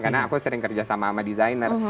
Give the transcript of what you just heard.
karena aku sering kerja sama sama desainer